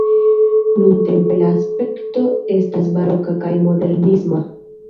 Nuntempe la aspekto estas baroka kaj modernisma.